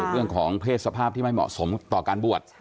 เรื่องของเพศสภาพที่ไม่เหมาะสมต่อการบวช